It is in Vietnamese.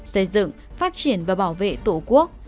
xây dựng phát triển và bảo vệ tổ quốc